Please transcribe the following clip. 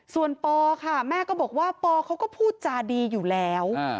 ส่วนปอค่ะแม่ก็บอกว่าปอเขาก็พูดจาดีอยู่แล้ว